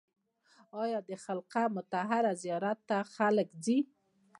آیا د خرقه مطهره زیارت ته خلک ځي؟